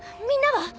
みんなは？